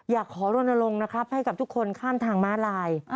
อยากขอรณลงนะครับให้กับทุกคนข้ามทางม้าลาย